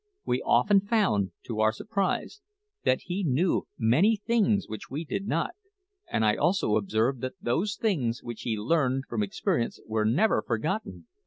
We often found, to our surprise, that he knew many things which we did not; and I also observed that those things which he learned from experience were never forgotten.